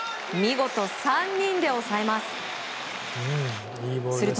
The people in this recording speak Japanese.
見事、３人で抑えます。